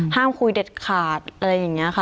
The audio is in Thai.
ห้ามคุยเด็ดขาดอะไรอย่างนี้ค่ะ